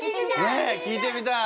ねえ聞いてみたい。